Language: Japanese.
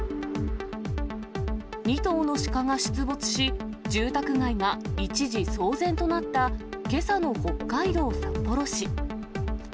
２頭のシカが出没し、住宅街が一時、騒然となったけさの北海道札幌市。